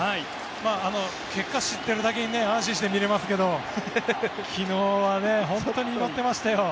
結果を知ってるだけに安心して見られますけど昨日は本当に祈ってましたよ。